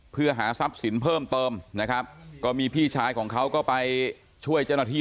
เพื่อหาทรัพย์สินเพิ่มเติมนะครับก็มีพี่ชายของเขาก็ไปช่วยเจ้าหน้าที่